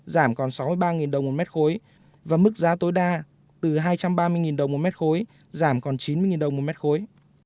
giảm còn sáu mươi ba đồng một mét khối và mức giá tối đa từ hai trăm ba mươi đồng một mét khối giảm còn chín mươi đồng một mét khối